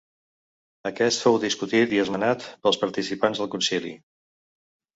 Aquest fou discutit i esmenat pels participants al concili.